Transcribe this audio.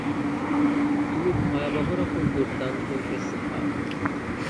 তুমি ভয়াবহরকম দুর্দান্ত, এস্থার।